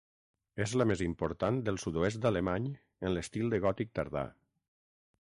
És la més important del sud-oest alemany en l'estil de gòtic tardà.